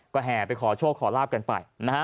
ก็แห่ไปขอโชคขอลาบกันไปนะฮะ